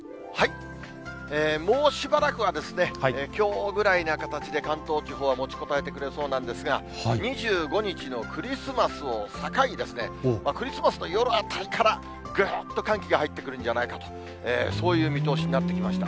もうしばらくはきょうぐらいな形で関東地方は持ちこたえてくれそうなんですが、２５日のクリスマスを境に、クリスマスの夜あたりから、ぐーっと寒気が入ってくるんじゃないかと、そういう見通しになってきました。